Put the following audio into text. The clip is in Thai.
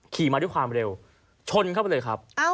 ขี่มาด้วยความเร็วชนเข้าไปเลยครับ